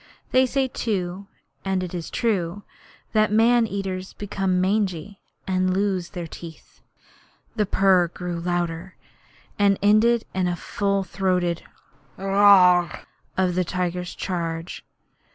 They say too and it is true that man eaters become mangy, and lose their teeth. The purr grew louder, and ended in the full throated 'Aaarh!' of the tiger's charge.